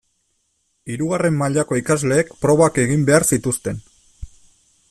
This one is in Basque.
Hirugarren mailako ikasleek probak egin behar zituzten.